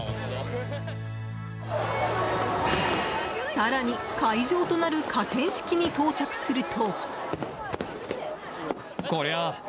更に、会場となる河川敷に到着すると。